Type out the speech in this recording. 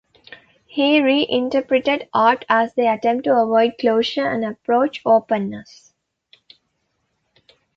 He reinterpreted art as the attempt to avoid closure and approach openness.